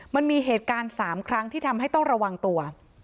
มันมีเหตุการณ์๓ครั้งที่ทำให้ต้องระวังตัว